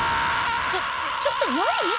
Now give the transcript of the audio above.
ちょっちょっと何？